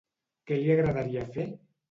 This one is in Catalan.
Què li agradaria fer?